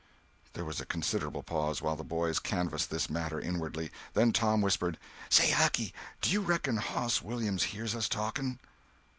There was a considerable pause, while the boys canvassed this matter inwardly. Then Tom whispered: "Say, Hucky—do you reckon Hoss Williams hears us talking?"